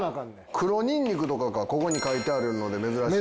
黒にんにくとかかここに書いてあるので珍しい。